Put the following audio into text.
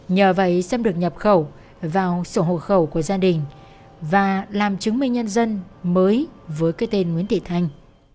nhờ vậy xâm nhập khẩu vào sổ hộ khẩu của gia đình và làm chứng minh nhân dân mới với cái tên nguyễn thị thanh